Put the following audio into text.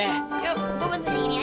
yuk gue bentuknya gini aja